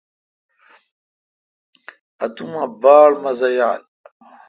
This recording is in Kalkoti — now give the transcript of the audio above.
اتوما باڑ مزہ یال۔